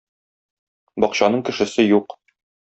Бакчаның кешесе юк.